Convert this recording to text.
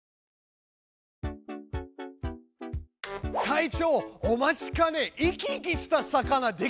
隊長お待ちかね生き生きした魚できましたよ！